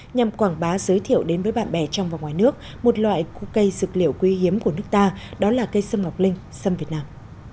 nhằm quảng bá giới thiệu đến với bạn bè trong và ngoài nước một loại cây dược liệu quý hiếm của nước ta đó là cây sâm ngọc linh sâm việt nam